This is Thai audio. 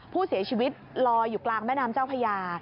ผู้เสียชีวิตลอยอยู่กลางแม่น้ำเจ้าพญา